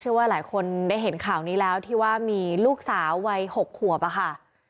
ว่าหลายคนได้เห็นข่าวนี้แล้วที่ว่ามีลูกสาววัย๖ขวบอะค่ะ